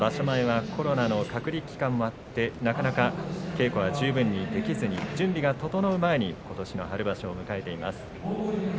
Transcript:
前はコロナの隔離期間があってなかなか稽古が十分にできずに準備が整う前にことしの春場所を迎えています。